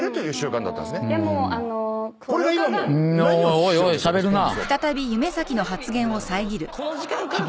おいおいしゃべるなぁ。